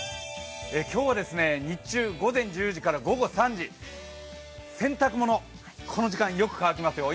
今日は日中、午前１０時から午後３時洗濯物、この時間、よく乾きますよ。